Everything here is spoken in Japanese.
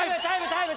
タイム！